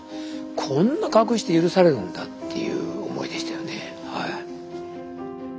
こんな隠して許されるんだっていう思いでしたよね。